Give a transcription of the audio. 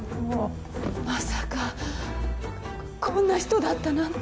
まさかこんな人だったなんて。